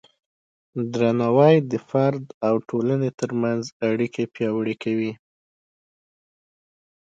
درناوی د فرد او ټولنې ترمنځ اړیکې پیاوړې کوي.